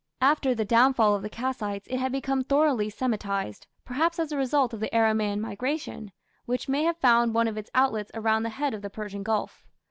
After the downfall of the Kassites it had become thoroughly Semitized, perhaps as a result of the Aramaean migration, which may have found one of its outlets around the head of the Persian Gulf.